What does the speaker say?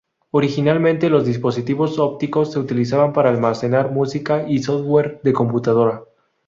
Originariamente, los dispositivos ópticos se utilizaban para almacenar música y software de computadora.